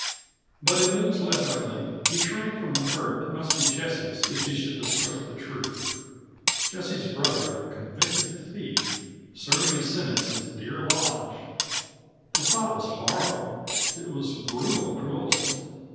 But in moods less ugly he shrank from the hurt that must be Jessie's if she should discover the truth. Jessie's brother a convicted thief serving his sentence in Deer Lodge! The thought was horrible; it was brutal cruelty.